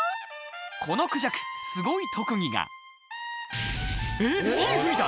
このクジャクすごい特技がえっ火吹いた？